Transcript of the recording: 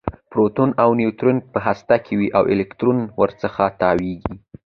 پروټون او نیوټرون په هسته کې وي او الکترون ورڅخه تاویږي